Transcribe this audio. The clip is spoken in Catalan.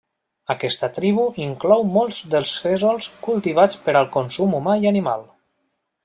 Aquesta tribu inclou molts dels fesols cultivats per al consum humà i animal.